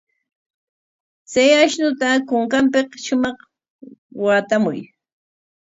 Chay ashnuta kunkanpik shumaq waatamuy.